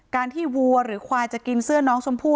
การที่วัวหรือควายจะกินเสื้อน้องชมพู่